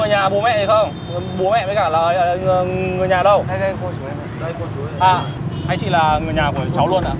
anh chị là người nhà của cháu luôn hả